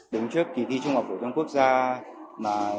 đứng trước kỳ thi trung học của tân quốc gia